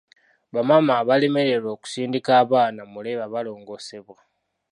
Bamaama abalemererwa okusindika abaana mu leeba balongosebwa.